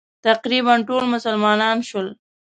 تقریباً ټول مسلمانان شول.